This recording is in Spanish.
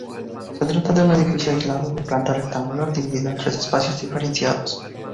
Se trata de un edificio aislado de planta rectangular dividido en tres espacios diferenciados.